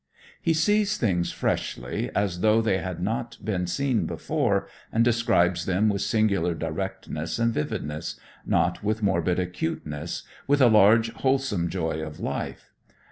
He sees things freshly, as though they had not been seen before, and describes them with singular directness and vividness, not with morbid acuteness, with a large, wholesome joy of life.